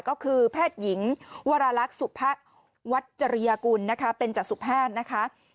ก็คือแพทย์หญิงวรรลักษณ์สุทธิ์วัดเจรยกุลเป็นจากสุทธิ์แพทย์